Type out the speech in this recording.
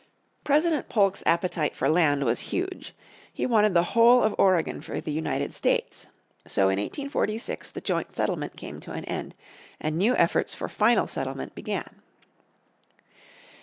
President Polk's appetite for land was huge. He wanted the whole of Oregon for the United States. So in 1846 the joint agreement came to an end, and new efforts for final settlement began.